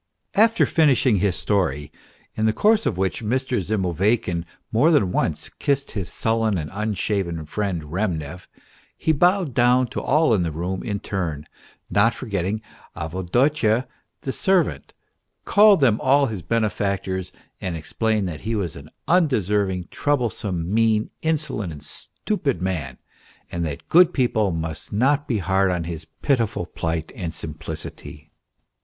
After finishing his story, in the course of which Mr. Zimoveykin more than once kissed his sullen and unshaven friend Remnev, he bowed down to all in the room in turn, not forgetting Avdotya the servant, called them all his benefactors, and explained that he was an unde serving, troublesome, mean, insolent and stupid man, and that good people must not be hard on his pitiful plight and simplicity.